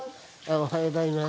おはようございます。